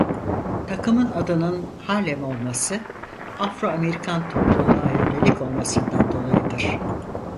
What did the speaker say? Takımın adının Harlem olması Afro-Amerikan topluluğa yönelik olmasından dolayıdır.